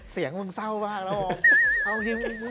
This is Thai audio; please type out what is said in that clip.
เสียงมึงเศร้ามากแล้ว